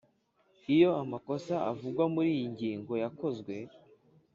Iyo amakosa avugwa muri iyi ngingo yakozwe